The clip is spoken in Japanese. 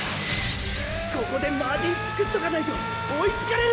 ここでマージン作っとかないと追いつかれる！